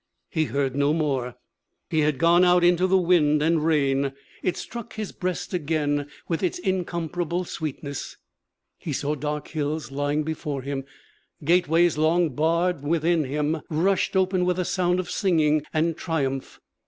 He heard no more. He had gone out into the wind and rain. It struck his breast again with its incomparable sweetness. He saw dark hills lying before him. Gateways long barred within him rushed open with a sound of singing and triumph.